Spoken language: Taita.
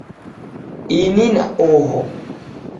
Ini na oho